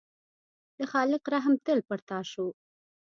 د خالق رحم تل پر تا شو.